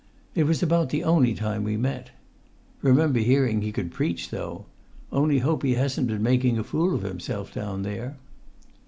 It was about the only time we met. Remember hearing he could preach, though; only hope he hasn't been making a fool of himself down there!"